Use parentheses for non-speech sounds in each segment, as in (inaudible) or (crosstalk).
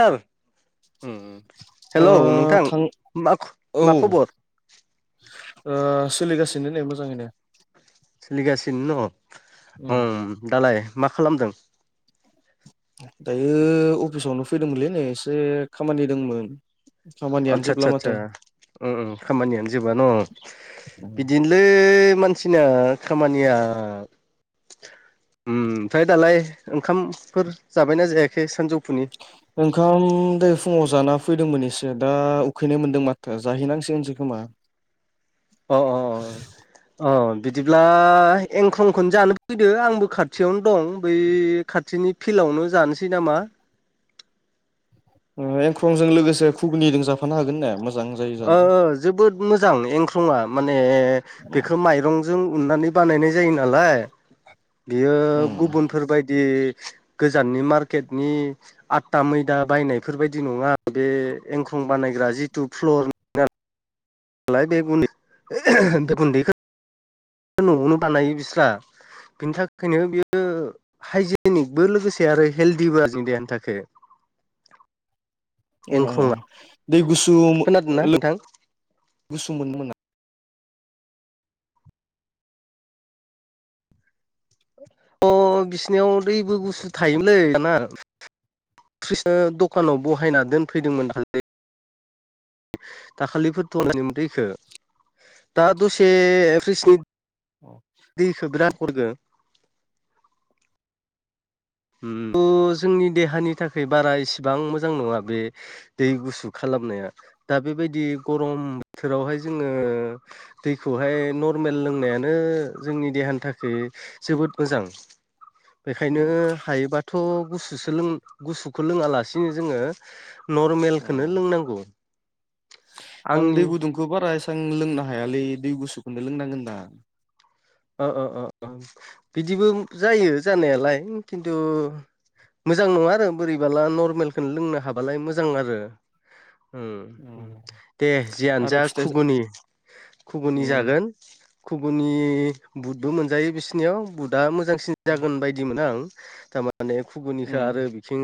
सार उम ओ हेलौ नोंथां। थां माख औ मा खबर? ओ सोलिगासिनो नै मोजाङैनो। सोलिगासिनो न। उम दालाय मा खालामदों? दायो अफिसावनो फैदोंमोनलै नै एसे खामानि दोंमोन। आदसा आदसा सा उम उम खामानियानो जोबा न'। बिदिन बे मानसिना खामानिया उम फाय दालाय ओंखामफोर जाबायना जायाखै सानजौफुनि? ओंखाम दोहाय फुङाव जाना फैदोंमोन एसे दा उखैनाय मोनदों माथो जाहैनांसिगोनसो खोमा। अ अ अ। अ बिदिब्ला एंख्रंखौनो जानो फैदो। आंबो खाथियावनो दं बै खाथिनि फिल्डआवनो जानोसै नामा? ओ एंख्रंजों लोगोसे खुगुनिजों जाफानो हागोन ने मोज ओ ओ जोबोद मोजां एंख्रंआ माने उम बेखो माइरं जों उन्नानै बानायनाय जायो नालाय। बियो उम गुबुनफोरबायदि गोजाननि मार्केटनि आतटा मैदा बायनायफोर बायदि नङा बे एंख्रं बानायग्रा जिथु फ्लर लाय बे गुनदै बे गुनदैखौ न'आवनो बानायो बिस्रा बिनि थाखायनो बियो हाइजेनिकबो लोगोसे आरो हेल्दिबो आरो देहानि थाखाय एंख्रंआ दै गुसु खोनादोंना लों नोंथां गुसु मोन मोना अ बिसिनियाव दैबो गुसु थायोमोनलै दाना फ्रिस दखानाव बहायना दोनफैदोंमोन दाख्लै दाखालिफोरथ' दैखौ दा दसे फ्रिजनि औ दैखौ बिराद हरदो थ' जोंनि देहानि थाखाय बारा इसिबां मोजां नङा बे दै गुसु खालामनाया दा बेबायदि गरम बोथोरावहाय जोङो दैखौहाय नर्मेल लोंनायानो जोंनि देहानि थाखाय जोबोद मोजां बेखायनो हायोबाथ' गुसुसो गुसुखौ लोङालासिनो जोङो नर्मेलखौनो लोंनांगौ आं आंनि दै गुदुंखौ बारा एसेबां लोंनो हायालै दै गुसुखौनो लोंनांगोनदां अ अ अ बिदिबो जायो जानायालाय खिनथु मोजां नङा आरो बोरैबाला नरमेलखौनो लोंनो हाबालाय मोजां आरो ओम उम दे जियानो आरो जाा फिथाइ खुुगुनि खुगुनि उम जागोन खुगुनि बुटबो मोनजायो बिसिनियाव बुदा मोजांसिन जागोन बायदि बिदि मोनो आं थारमाने खुगुनिखौ उम आरो बांसिन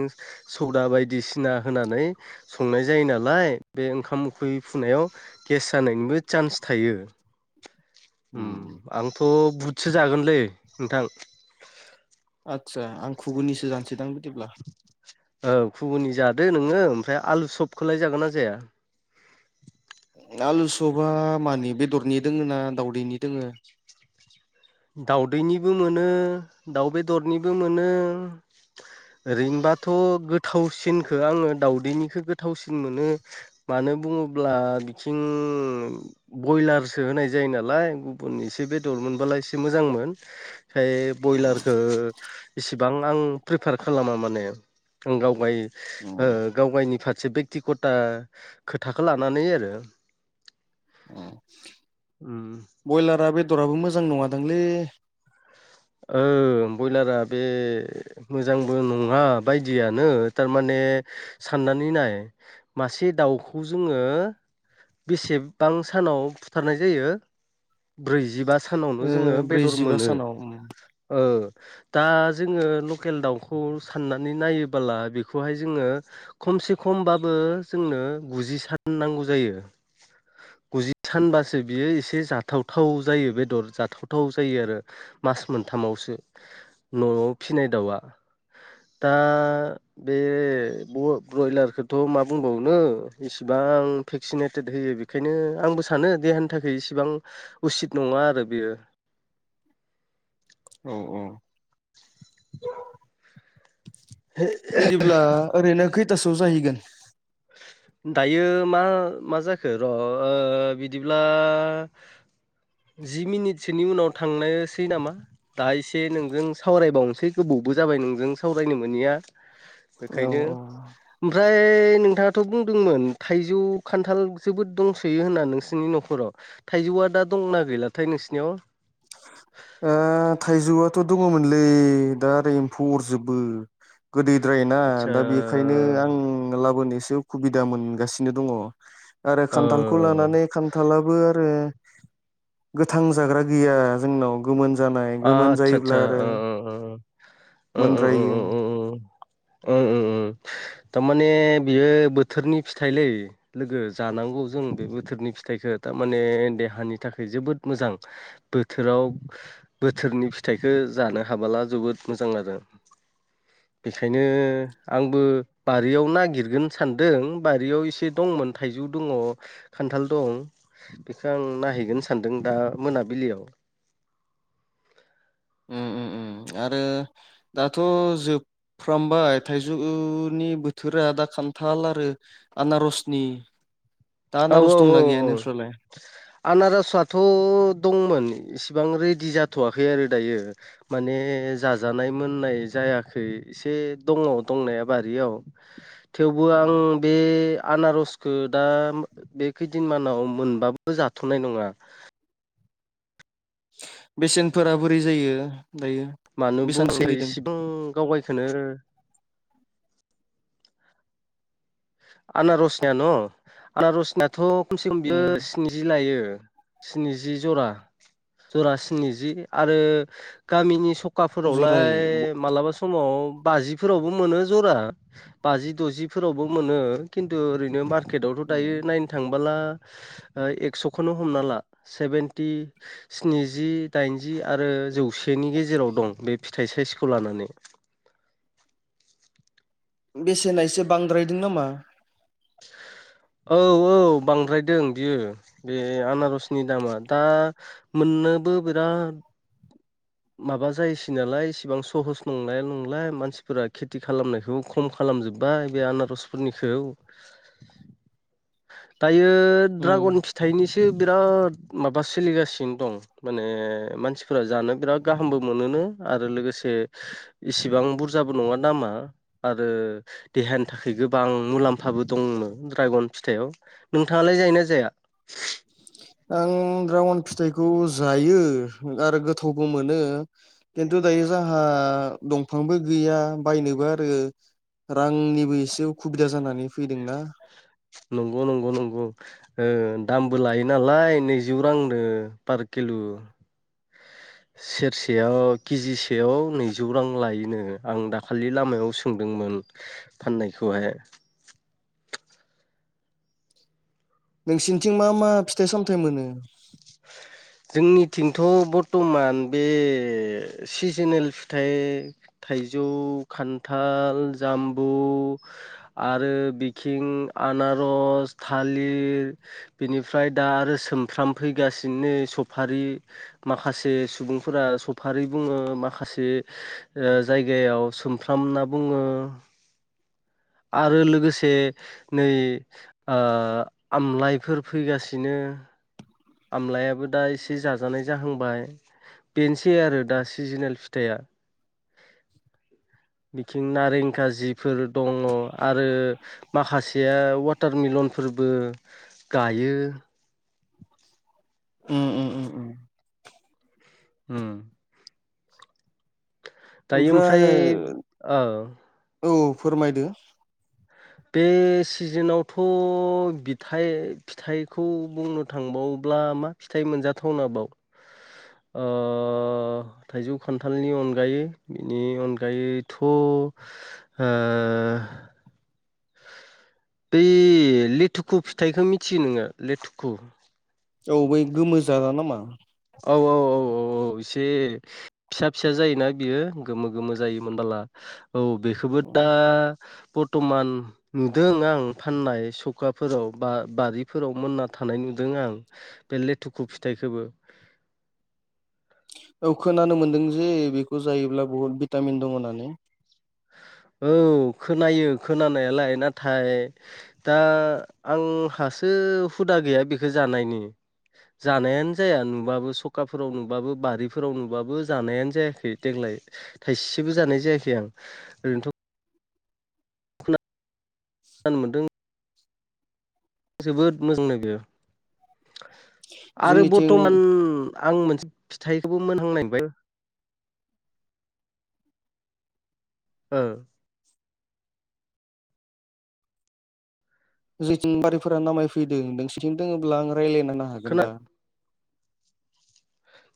सदा बायदिसिना होनानै संनाय जायो नालाय बे ओंखाम उखै फुनायाव गेस जानायनिबो चान्स थायो ओम आंथ' बुथसो जागोनलै नोंथां आदसा आं खुगुनिसो जानसैदां बिदिब्ला औ खुगुनि जादो नोङो ओमफ्राय आलु सबखौलाय जागोन ना जाया आलुसबा मानि बेदरनि दोङो ना दावदैनि दोङो दाउदैनिबो मोनो दाउ बेदरनिबो मोनो ओरैनोबाथ' गोथावसिनखौ आङो दावदैनिखौ गोथावसिन मोनो मानो बुङोब्ला बिथिं ब्रयलारसो होनाय जायो नालाय गुबुन एसे बेदर मोनबालाय एसे मोजांमोन ओमफाय बयलारखौ इसेबां आं प्रिफार खालामा माने आं गावगाय उम गाव गावनि फारसे बेक्तिगता खोथाखौ लानानै आरो ओ ओ ब्रयलारा बेदराबो मोजां नङादांलै ओ ब्रयलारा बे मोजांबो नङा बायदियानो थारमाने साननानै नाय मासे दाउखौ जोङो बेसेबां सानाव बुथारनाय जायो ब्रैजिबा सानावनो ओ जोङो बेदर ब्रैजिबा मोनो सानाव उम ओ दा जोङो लकेल दाउखौ साननानै नायोबोला बेखौहाय जोङो खमसे खमबाबो जोंनो गुजि सान नांगौ जायो गुजि सानबासो बियो एसे जाथावथाव जायो बेदर जाथावथाव जायो आरो मास मोनथामावसो न'आव फिसिनाय दाउआ दा बे ब्रयलारखौथ' मा बुंबावनो इसिबां भेक्सिनेटेड होयो बेखायनो आंबो सानो देहानि थाखाय इसिबां उसिद नङा आरो बेयो औ औ औ (inaudible) (unintelligible) बिदिब्ला ओरैनो खैथासोआव जाहैगोन दायो मा मा जाखो र' बिदिब्ला जि मिनिटसोनि उनाव थांनायासै नामा दा एसे नोंजों सावरायबावनोसै गोबावबो जाबाय नोंजों सावरायनो मोनैया औ बेखायनो ओमफ्राय नों नोंथाङाथ' बुंदोंमोन थाइजौ खान्थाल जोबोद दंस'यो होनना नोंसिनि न'खराव थाइजौआ दा दंना गैलाथाय नोंसिनियाव थाइजौआथ' दङमोनलै दा ओरै एम्फौ अरजोबो गोदैद्राय ना आतसा दा बेखायनो आं ओ लाबोनोसो सुबिदा मोनगासिनो दङ आरो ओ खान्थाल खौ लानानै खान्थालाबो आरो गोथां जाग्रा गैया जोंनाथ' गोमोन जानाय गोमोन आतसा आतसा जायोब्ला आरो ओ ओ ओ ओ मोनद्रायो। ओ ओ ओ थारमाने बियो बोथोरनि फिथाइलै लोगो जानांगौ जों बे बोथोरनि फिथाइखौ थारमाने देहानि थाखाय जोबोद मोजां। बोथोराव बोथोरनि फिथाइखौ जानो हाबोला जोबोद मोजां आरो। (inaudible) बेखायनो आंबो बारियाव नागिरगोन सानदों बारियाव एसे दंमोन। थाइजौ दङ खान्थाल दं बेखौ आं नायहैगोन सानदों दा मोनाबिलि आरो दाथ' जों फोरमबाय थाइजौनि बोथोरा दा खान्थाल आरो। आनारसनि दा औ औ आनारस दंना औ गैया औ नोंस्रालाय? आनारसआथ' दंमोन इसिबां रेडि जाथ'वाखै आरो दायो। माने जाजानाय मोननाय जायाखै। एसे दङ दंनाया बारियाव थेवबो आं बे आनारसखौ दा बे खैदिन मानाव मोनबाबो जाथ'नाय नङा। बेसेनफोरा बोरै जायो दायो। मानो बेसेबां बुंखो सोलिदों इसे गाव गावखौनो आनारसनि न' आनारसनिथ' खमसे खम बियो। उम स्निजि लायो स्निजि जौ आरो‌ जरा स्निजि आरो गामिनि सखाफोरावलाय जरायै? मालाबा सम समाव बाजिफोरावबो मोनो जरा बाजि दजिफोरावबो मो मोनो खिन्थु ओरैनो मारकेटावथ' उम दायो नायनो थांबोला एक्स'खौनो हमना ला सेभेनटि स्निजि दाइनजि आरो जौसेनि गेजेराव दं बे फिथाइ साइसखौ लानानै बेसेना एसे बांद्रायदों नामा? (inaudible) औ औ बांद्रायदों बियो बे आनारसनि दामा दा‌ ओ मोननोबो बिराद माबा जायोसै नालाय इसिबां सहस नंलाया नंला मानसिफोरा खेथि खालामनायखौ। खम खालामजोब्बाय बे आनारसफोरनिखौ दायो उम द्रां फिथाइनिसो बिराद माबा सोलिगासिनो दं। माने मानसिफोरा जानो बिराद गाहामबो मोनोनो आरो लोगोसे। इसिबां बुरजाबो नङा नामा आरो देहानि थाखाय गोबां मुलाम्फा दाबो दङ ड्रागन फिथाइयाव नोंथाङालाय जायो ना जाया? आं ड्रागन फिथाइखौ जायो आरो गोथावबो मोनो। खिन्थु दायो जोंहा दंफांबो गैया बायनोबो आरो रांनिबो एसे उसुबिदा जानानै फैदोंना। नंगौ नंगौ नंगौ दामबो लायो नालाय नैजौ रांनो पार किल' (unintelligible) सेरसेयाव केजिसेयाव नैजौ रां लायोनो आं दाखालि लामायाव सोंदोंमोन फाननायखौहाय नोंसिनिथिं मा मा फिथाइ सामथाइ मोनो जोंनिथिंथ' बर्थ'मान बे सिजोनेल फिथाइ थाइजौ खान्थाल जाम्बु आरो बिथिं आनारस थालिर बेनिफ्राय दा आरो सोमफ्राम फैगासिनो सफारि माखासे सुबुंफोरा सफारि बुङो माखासे ओ जायगायाव सोमफ्राम होनना बुङो आरो लोगोसे नै ओ आमलाइफोर फैगासिनो आमलायाबो दा एसे जाजानाय जाहांबाय बेनोसै आरो दा सिजोनेल फिथाइया बिथिं नारें खारजिफोर दङ आरो माखासेया वाटार मिलनफोरबो गायो ओम ओम ओ ओम दायो ओमफ्राय औ औ फोरमायदो बे सिजोनावथ' बिथाइ फिथाइखौ बुंनो थांबावोब्ला मा फिथाइ मोनजाथावनाबाव ओ थाइजौ खान्थालनि अनगायै बिनि अनगायैथ' ओ बै लेथुखु फिथाइखौ मिथियो नोङो लेथुखु औ बै गोमो जादा नामा औ औ औ औ औ एसे फिसा फिसा जायोना बियो गोमो गोमो जायोमोन बाला औ बेखौबो दा बर्थ'मान नुदों आं फाननाय सखाफोराव बा बारिफोराव मोनना थानाय नुदों आं बे लेथुखु फिथाइखोबो औ खोनानो मोन्दों जे बेखौ जायोब्ला बुहुत भिटामिन दङ होननानै औ खोनायो खोनानायालाय नाथाय दा आंहासो हुदा गैया बेखो जानायनि जानायानो जाया नुबाबो सखाफोराव नुबाबो बारिफोराव नुबाबो जानायानो जायाखै देग्लाय थाइसेबो जानाय जायाखै आं ओरैनोथ' (unintelligible) मोनदों जोबोद मोजांनो बेयो आरो जोंनिथिं बर्थ'मान आं मोनसे फिथाइखौबो मोनहांनाय बाय ओ जिथिं बारिफोरा नामायफैदों नोंसेथिं दङोब्ला आं रायज्लायनो हागोन खोना दा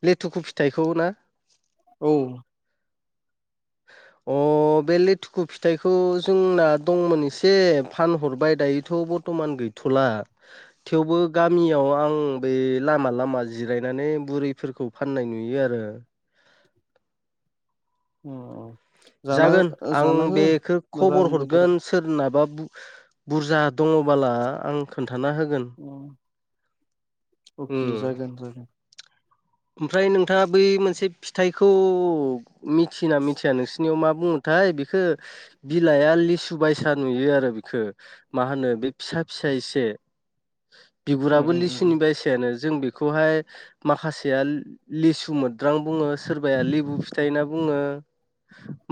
लेथुखु फिथाइखौ ना औ अ बे लेथुखु फिथाइखौ जोंना दंमोन एसे फानहरबाय दायोथ' बर्थ'मान गैथ'ला थेवबो गामियाव आं बे लामा लामा जिरायनानै बुरिफोरखौ फाननाय नुयो आरो अ जागोन आं बेखो खबर बोथोरा हरगोन। सोरनाबा बुरजा दङबोला आं खोन्थाना होगोन। उम उम अके जागोन दे ओमफ्राय नोंथाङा बै मोनसे फिथाइखौ मिथियोना मिथिया नोंसोर नियाव मा बुङोथाय बेखौ बिलाइआ लिसु बायसा नुयो आरो बिखो मा होनो बे फिसा फिसा एसे उम बिगुराबो उम उम लिसुनि बायसायानो जों बेखौहाय माखासे फिथाया लिसु मोद्रां बुङो सोरबाया लेबु फिथाइ होनना बुङो।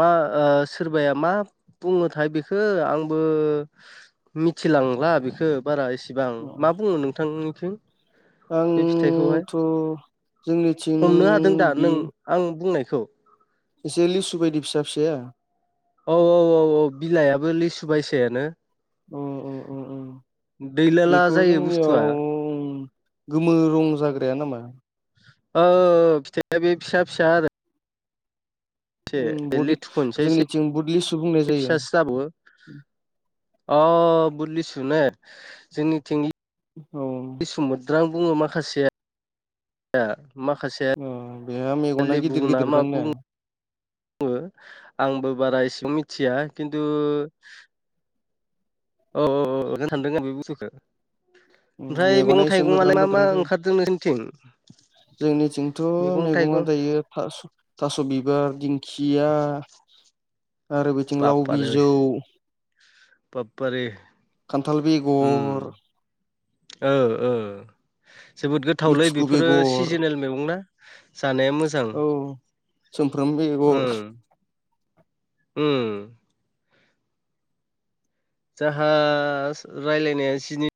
मा ओ सोरबाया मा बुंङोथाय बेखौ आंबो मिथिलांला बिखो बारा इसेबां उम मा बुङो नोंथांनिथिं बे फिथाइखौहाय आंथ' जोंनि हमनो हादों दा नों आं बुंनायखौ एसे लिसु बायदि फिसा फिसाया औ औ औ औ बिलायाबो लिसु बायसायानो अ अ अ अ दैलाला बेखौ जायो बुस्थुआ जोंनियाव गोमो रं जाग्राया नामा? औ फिथाइ बे फिसा फिसा आरो से लेथुखुनिसाय जोंबो लिसु बुंनाय जायो फिसासो जाबावो अ बि लिसु ने जोंनिथिं औ किसुमोद्रां बुङो माखासेया माखासे अ बेहा बे मेगना गिदिर लिबु ना गिदिर मा दांनो बुङो बुङो आंबो बारा एसेबां मिथिया खिनथु औ औ औ लानो सानदों आं बे बुसथुखौ ओमफ्राय मेगना मैगं एसे मोद्रां थाइगंलाय मा मोद्रां मा जायो ओंखारदों नोंसोरनिथिं? जोंनिथिंथ' मैगं मैगंआ थाइगं दायो फास थास' बिबार दिंखिया आरो बेथिं लाव बापारे बिजौ बापारे खानथाल बेगर औ औ जोबोद गोथावलै लिथिखु बेफोरो बेगर सिजोनेल मैगं ना जानाया मोजां। औ सोमफ्रोम बेगर ओम ओम जाहा रायलायनाया जिनै